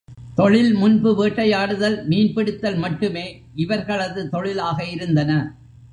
தொழில் முன்பு வேட்டையாடுதல் மீன் பிடித்தல் மட்டுமே இவர்களது தொழிலாக இருந்தன.